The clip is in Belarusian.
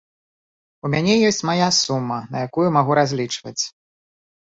У мяне ёсць мая сума, на якую магу разлічваць.